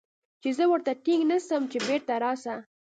چې زه ورته ټينګ نه سم چې بېرته راسه.